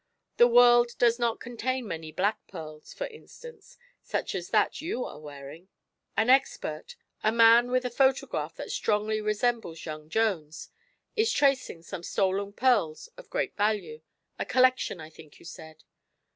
The world does not contain many black pearls, for instance, such as that you are wearing. An expert a man with a photograph that strongly resembles young Jones is tracing some stolen pearls of great value a collection, I think you said.